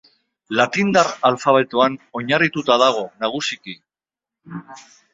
Latindar alfabetoan oinarrituta dago nagusiki.